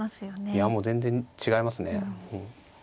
いやもう全然違いますね。